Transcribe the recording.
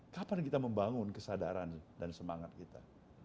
kapan kita membangun kesadaran dan semangat kita